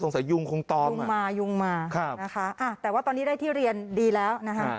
สงสารยุงคงตอบค่ะยุงมานะคะอ่ะแต่ว่าตอนนี้ได้ที่เรียนดีแล้วนะครับ